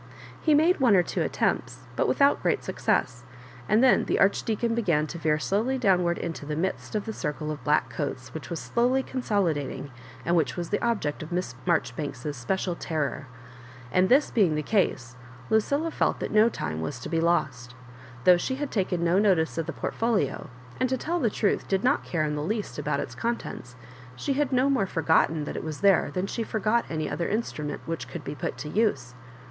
He made one or two attempts, bat without great Boocess; and then the Archdeacon began to Yeear slowly downward into the midst of the circle of black coats which was slowly ooiis(^dating, and which was the object of Miss Maijoribanks's special terror ; and this being the case, Lucilla felt that no time was to be lost Though she had taken no notice of the portfolio, and, tp tell the truth, did not care in the least about its contents, she had no more forgotten that it was there than nbe for got way other instrument which could be put to use.